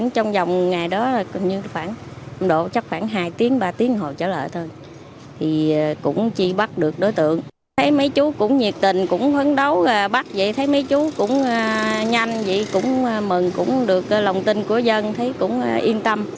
trong dòng ngày đó khoảng hai ba tiếng hồi trả lời thôi thì cũng chi bắt được đối tượng thấy mấy chú cũng nhiệt tình cũng hấn đấu bắt vậy thấy mấy chú cũng nhanh vậy cũng mừng cũng được lòng tin của dân thấy cũng yên tâm